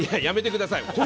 やめてください。